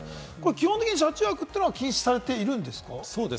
基本的に車中泊は禁止されているんですか？